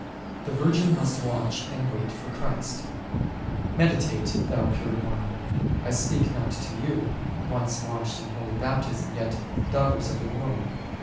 W)t Utrgtn must toatcf) anD toait for (£J)rist Meditate, thou pure one, — I speak not to you, once washed in holy Baptism, yet, daughters of the world